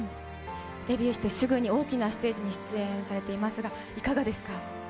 デビューしてすぐに、大きなステージに出演されていますが、いかがですか。